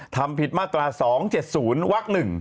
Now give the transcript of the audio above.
ทำผิดมาตรา๒๗๐วัก๑